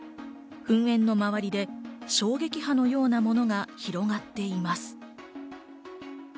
噴煙の周りで衝撃波のようなものが広がっています。